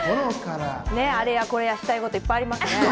あれやこれや、したいこといっぱいありますね。